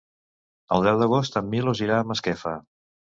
El deu d'agost en Milos irà a Masquefa.